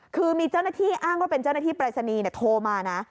คือมีเจ้าหน้าที่อ้างว่าเป็นเจ้าหน้าที่ปรายศนีย์โทรมานะ